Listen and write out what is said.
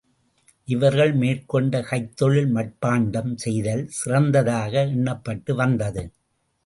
இவர்கள் மேற்கொண்ட கைத்தொழில் மட்பாண்டம் செய்தல், சிறந்ததாக எண்ணப்பட்டு வந்தது.